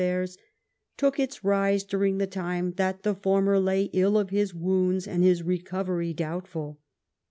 Tairs, took its rise during the time that the former lay ill of his wounds, and his recovery doubtful."